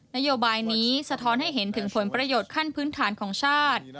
นโยบายนี้สะท้อนให้เห็นถึงผลประโยชน์ขั้นพื้นฐานของชาติ